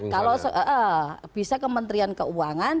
kalau bisa ke menteri keuangan